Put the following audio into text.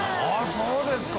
そうですか！